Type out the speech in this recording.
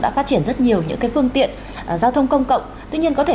đã phát triển rất nhiều những phương tiện giao thông công cộng tuy nhiên có thể